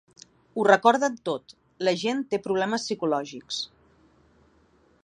Ho recorden tot, la gent té problemes psicològics.